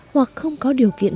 hoặc không có điều kiện